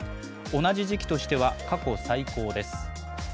同じ時期としては過去最高です。